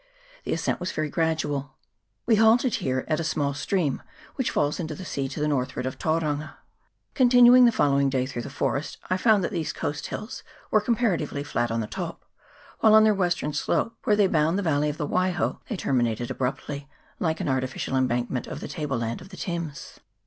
The ascent was very gradual. We halted here at a small stream which falls into the sea to the northward of Tauranga. Continuing the following day through the forest, I found that these coast hills were comparatively flat on the top, while on their western slope, where they bound the valley of the Waiho, they termi nated abruptly, like an artificial embankment of the table land of the Thames.